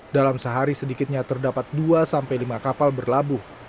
dalam sehari sedikitnya terdapat dua sampai lima kapal berlabuh